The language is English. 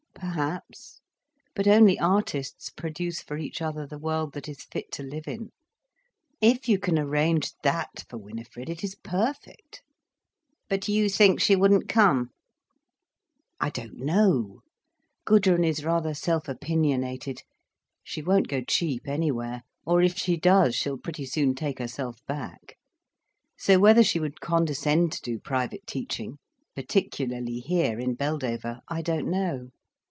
"Perhaps. But only artists produce for each other the world that is fit to live in. If you can arrange that for Winifred, it is perfect." "But you think she wouldn't come?" "I don't know. Gudrun is rather self opinionated. She won't go cheap anywhere. Or if she does, she'll pretty soon take herself back. So whether she would condescend to do private teaching, particularly here, in Beldover, I don't know.